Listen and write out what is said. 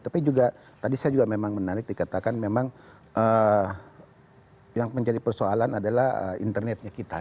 tapi juga tadi saya juga memang menarik dikatakan memang yang menjadi persoalan adalah internetnya kita